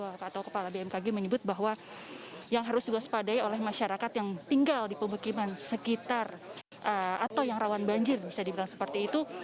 saya juga ingin menurut informasi dari bmkg atau kepala bmkg menyebut bahwa yang harus diwaspadai oleh masyarakat yang tinggal di pemukiman sekitar atau yang rawan banjir bisa dibilang seperti itu